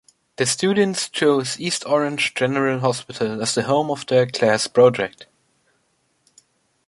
The students chose East Orange General Hospital as the home for their class project.